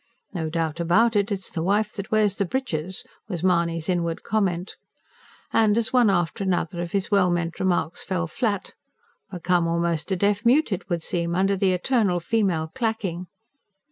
"No doubt about it, it's the wife that wears the breeches," was Mahony's inward comment. And as one after another of his well meant remarks fell flat: "Become almost a deaf mute, it would seem, under the eternal female clacking."